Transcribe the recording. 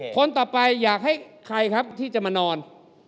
คนต่อไปอยากให้ใครครับที่จะมานอน